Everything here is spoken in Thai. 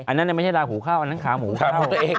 อันนั้นไม่ใช่ดาหูข้าวอันนั้นขามูข้าว